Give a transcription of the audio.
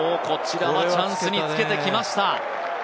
こちらはチャンスにつけてきました。